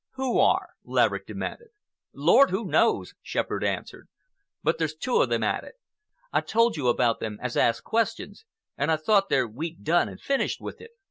"Who are?" Laverick demanded. "Lord knows who;" Shepherd answered, "but there's two of them at it. I told you about them as asked questions, and I thought there we'd done and finished with it.